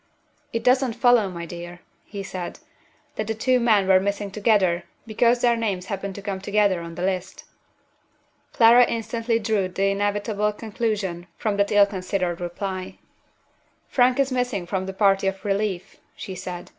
"It doesn't follow, my dear," he said, "that the two men were missing together because their names happen to come together on the list." Clara instantly drew the inevitable conclusion from that ill considered reply. "Frank is missing from the party of relief," she said.